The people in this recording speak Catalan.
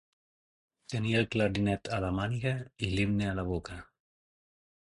Tenir el clarinet a la màniga i l'himne a la boca.